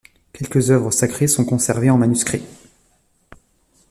Quelques œuvres sacrées sont conservées en manuscrit.